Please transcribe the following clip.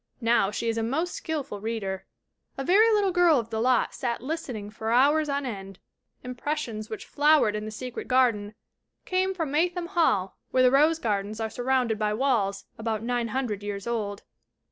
Now, she is a most skillful reader. A very little girl of the lot sat listening for hours on end. Impressions which flow ered in The Secret Garden came from Maytham Hall where the rose gardens are surrounded by walls about 900 years old.